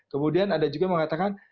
kemudian ada juga mengatakan